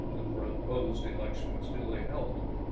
The proposed election was duly held.